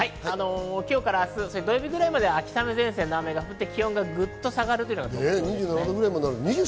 今日から土曜日くらいまで秋雨前線の雨が降って気温がぐっと下がります。